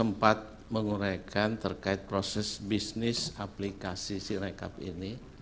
sempat menguraikan terkait proses bisnis aplikasi sirekap ini